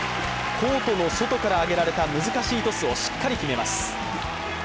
コートの外から上げられた難しいトスをしっかり決めます。